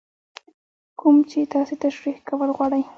کوم چې تاسې تشرېح کول غواړئ.